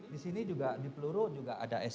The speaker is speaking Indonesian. di sini juga di peluru juga ada sd